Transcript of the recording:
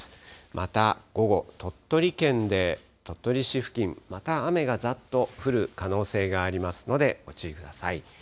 また午後、鳥取県で鳥取市付近、また雨がざっと降る可能性がありますので、ご注意ください。